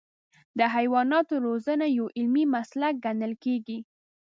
د حیواناتو روزنه یو علمي مسلک ګڼل کېږي.